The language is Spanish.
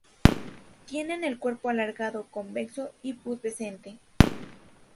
Tienen el cuerpo alargado, convexo y pubescente.